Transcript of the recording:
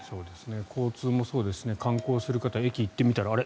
交通もそうですし観光する方、駅に行ってみたらあれ？